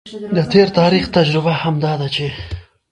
د تیر تاریخ تجربه هم دا ده چې